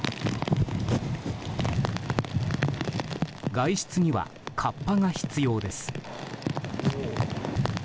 外出にはかっぱが必要です。